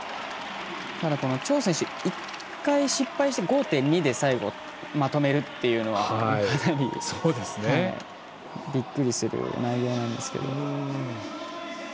張選手、１回失敗して５．２で最後まとめてるというのが、かなりびっくりする内容なんですけども。